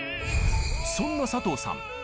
そんな佐藤さん